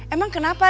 emang kenapa dia